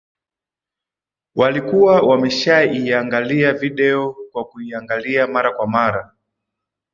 Walikuwa wameshaiangalia video kwa kuiangalia mara kwa mara